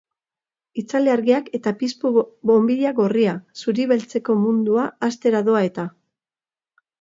Itzali argiak eta piztu bonbilla gorria, zuri-beltzeko mundua hastera doa eta!